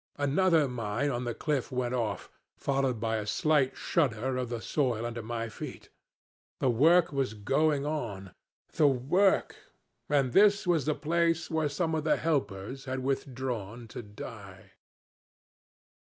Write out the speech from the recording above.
Another mine on the cliff went off, followed by a slight shudder of the soil under my feet. The work was going on. The work! And this was the place where some of the helpers had withdrawn to die.